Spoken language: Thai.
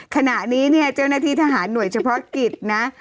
ขณะนี้เนี่ยเจ้าหน้าที่ทหารหน่วยเฉพาะกิจนะ